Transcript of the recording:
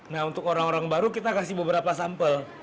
nah untuk orang orang baru kita kasih beberapa sampel